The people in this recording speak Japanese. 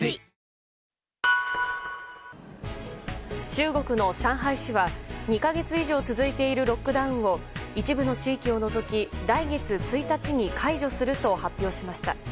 中国の上海市は２か月以上続いているロックダウンを一部の地域を除き来月１日に解除すると発表しました。